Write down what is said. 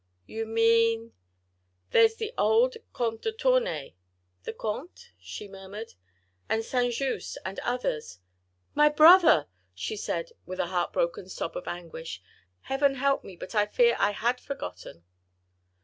"You mean ...?" "There's the old Comte de Tournay ..." "The Comte ...?" she murmured. "And St. Just ... and others ..." "My brother!" she said with a heart broken sob of anguish. "Heaven help me, but I fear I had forgotten."